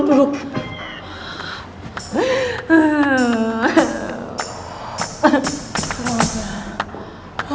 gua merinding banget lagi